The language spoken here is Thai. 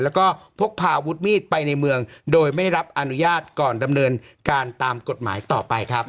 แล้วก็พกพาอาวุธมีดไปในเมืองโดยไม่ได้รับอนุญาตก่อนดำเนินการตามกฎหมายต่อไปครับ